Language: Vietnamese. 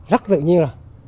rất tự nhiên